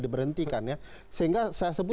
diberhentikan ya sehingga saya sebut